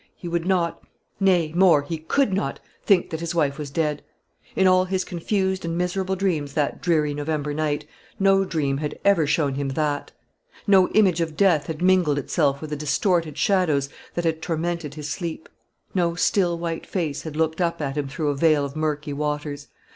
He would not nay, more, he could not think that his wife was dead. In all his confused and miserable dreams that dreary November night, no dream had ever shown him that. No image of death had mingled itself with the distorted shadows that had tormented his sleep. No still white face had looked up at him through a veil of murky waters.